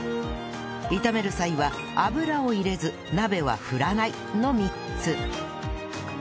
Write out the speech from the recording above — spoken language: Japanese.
炒める際は油を入れず鍋は振らないの３つ